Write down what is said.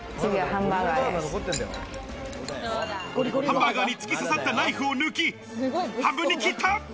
ハンバーガーに突き刺さったナイフを抜き、半分に切った。